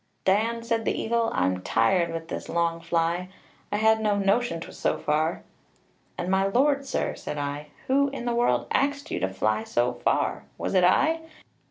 "'Dan,' said the eagle, 'I'm tired with this long fly; I had no notion 'twas so far.' 'And my lord, sir,' said I, 'who in the world axed you to fly so far was it I?